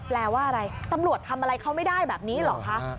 แปลว่าอะไรตำรวจทำอะไรเขาไม่ได้แบบนี้เหรอคะ